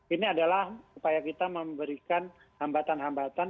ini adalah upaya kita memberikan hambatan hambatan